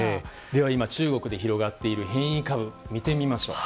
今、中国で広がっている変異株見てみましょう。